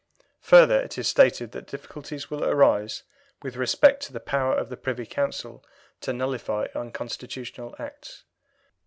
Further, it is stated that difficulties will arise with respect to the power of the Privy Council to nullify unconstitutional Acts.